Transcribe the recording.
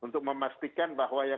terreal rhetorik manakala